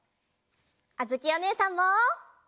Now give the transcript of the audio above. あづきおねえさんも！